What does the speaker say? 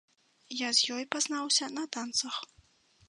Я з ёй пазнаўся на танцах.